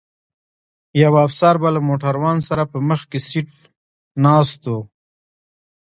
یو افسر به له موټروان سره په مخکي سیټ ناست و.